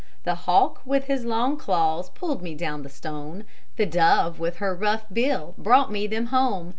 The hawk with his long claws pulled down the stone, The dove with her rough bill brought me them home.